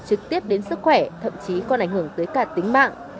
trực tiếp đến sức khỏe thậm chí còn ảnh hưởng tới cả tính mạng